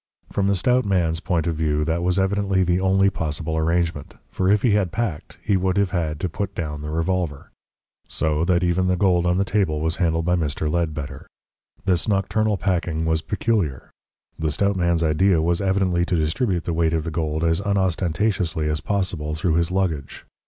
From the stout man's point of view that was evidently the only possible arrangement, for if he had packed, he would have had to put down the revolver. So that even the gold on the table was handled by Mr. Ledbetter. This nocturnal packing was peculiar. The stout man's idea was evidently to distribute the weight of the gold as unostentatiously as possible through his luggage.